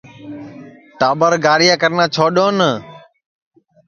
ٹاٻر گاریا کرنا چھوڈؔون